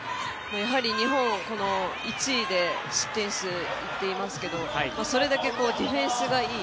日本、１位で失点数といいますけどもそれだけディフェンスがいい。